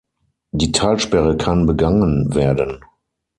Die Talsperre kann begangen werden.